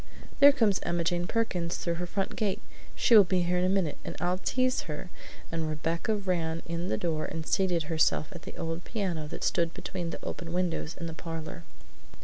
"There comes Emma Jane Perkins through her front gate; she will be here in a minute, and I'll tease her!" and Rebecca ran in the door and seated herself at the old piano that stood between the open windows in the parlor.